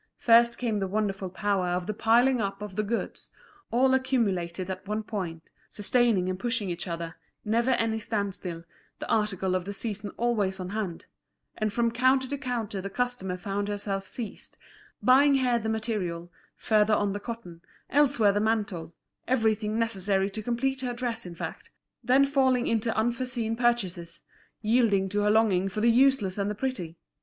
First came the wonderful power of the piling up of the goods, all accumulated at one point, sustaining and pushing each other, never any stand still, the article of the season always on hand; and from counter to counter the customer found herself seized, buying here the material, further on the cotton, elsewhere the mantle, everything necessary to complete her dress in fact, then falling into unforeseen purchases, yielding to her longing for the useless and the pretty.